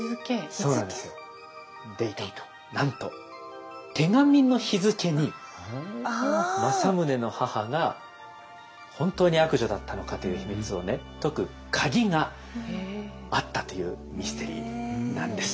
なんと手紙の日付に政宗の母が本当に悪女だったのかという秘密をね解く鍵があったというミステリーなんです。